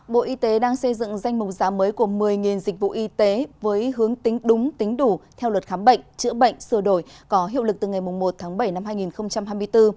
bộ y tế đang xây dựng danh mục giá mới của một mươi dịch vụ y tế với hướng tính đúng tính đủ theo luật khám bệnh chữa bệnh sửa đổi có hiệu lực từ ngày một tháng bảy năm hai nghìn hai mươi bốn